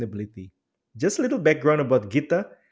sebagai latar belakang tentang gita